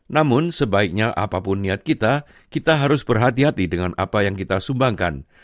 namun sebaiknya apapun niat kita kita harus berhati hati dengan apa yang kita sumbangkan